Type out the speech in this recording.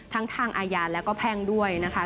ทั้งทางอาญาแล้วก็แพ่งด้วยนะคะ